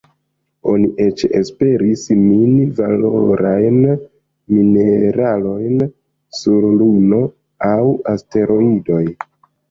Oni eĉ esperis mini valorajn mineralojn sur Luno aŭ asteroidoj.